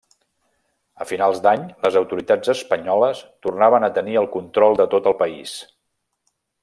A finals d'any les autoritats espanyoles tornaven a tenir el control de tot el país.